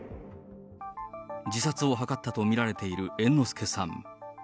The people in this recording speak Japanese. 自殺を図ったと見られている猿之助さん。